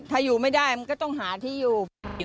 ถ้าอยู่ไม่ได้มันก็ต้องหาที่อยู่